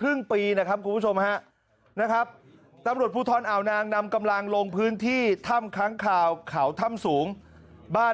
ครึ่งปีครับคุณผู้ชมครับ